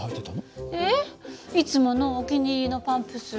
えっいつものお気に入りのパンプス。